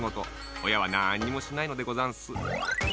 おやはなんにもしないのでござんす。